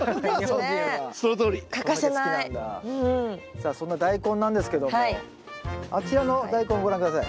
さあそんなダイコンなんですけどもあちらのダイコンご覧下さい。